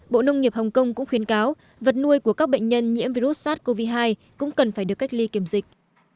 bộ nông nghiệp hong kong cũng khuyên cáo vật nuôi của các bệnh nhân nhiễm virus sars cov hai cũng cần phải được cách ly kiểm dịch